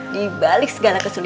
dibalik segala keseluruhanmu